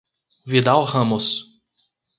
Vidal Ramos